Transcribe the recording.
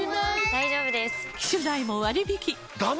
大丈夫です！